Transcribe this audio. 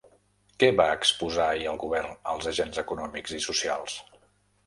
Què va exposar ahir el govern als agents econòmics i socials?